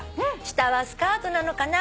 「下はスカートなのかな？